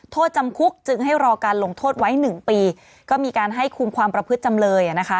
โทษจำคุกจึงให้รอการลงโทษไว้หนึ่งปีก็มีการให้คุมความประพฤติจำเลยอ่ะนะคะ